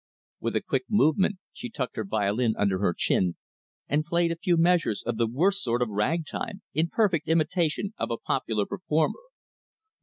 With a quick movement, she tucked her violin under her chin and played a few measures of the worst sort of ragtime, in perfect imitation of a popular performer.